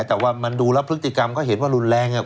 แต่ว่ามันดูแล้วพฤติกรรมก็เห็นว่ารุนแรงคุณมิ้น